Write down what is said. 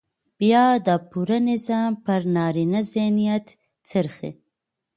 بيا دا پوره نظام پر نارينه ذهنيت څرخي.